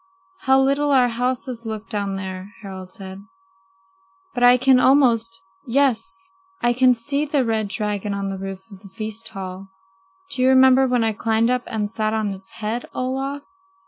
"How little our houses look down there!" Harald said. "But I can almost yes, I can see the red dragon on the roof of the feast hall. Do you remember when I climbed up and sat on his head, Olaf?"